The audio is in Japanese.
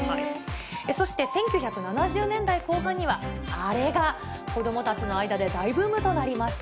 そして１９７０年代後半には、あれが子どもたちの間で大ブームとなりました。